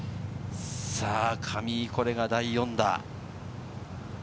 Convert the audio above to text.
上井はこれが第４打。